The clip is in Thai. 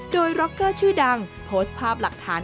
โดยร็อกเกอร์ชื่อดังโพสต์ภาพหลักฐาน